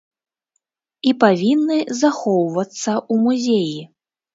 І павінны захоўвацца ў музеі.